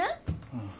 うん。